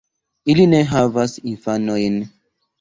Ili ne havas infanojn.